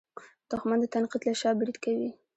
دښمن د تنقید له شا برید کوي